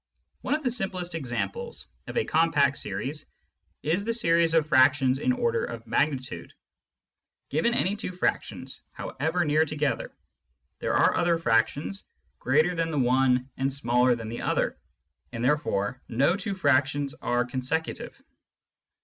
One of the simplest examples of a compact series is the series of fractions in order of magnitude. Given any two frac tions, however near together, there are other fractions greater than the one and smaller than the other, and therefore no two fractions are consecutive.